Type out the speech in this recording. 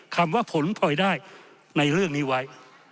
คำว่าผลพลอยได้ในเรื่องนี้ไว้